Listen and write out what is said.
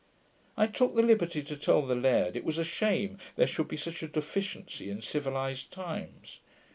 I took the liberty to tell the laird it was a shame there should be such a deficiency in civilized times.